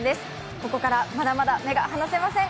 ここから、まだまだ目が離せません。